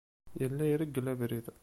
Yella ireggel abrid.